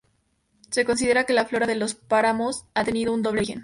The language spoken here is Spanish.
Se considera que la flora de los páramos ha tenido un doble origen.